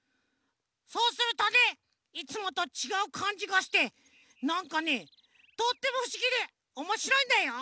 そうするとねいつもとちがうかんじがしてなんかねとってもふしぎでおもしろいんだよ！